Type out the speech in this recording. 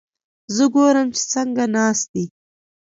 زه ګورم چې څنګه ناست دي؟